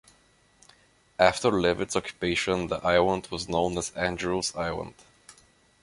After Levett's occupation the island was known as Andrews Island.